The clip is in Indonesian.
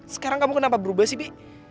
sekarang kamu kenapa berubah sih bi